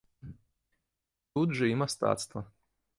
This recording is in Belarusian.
Тут жа і мастацтва.